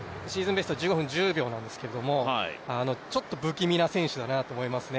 ベスト１５分１０秒なんですけどちょっと不気味な選手だと思いますね。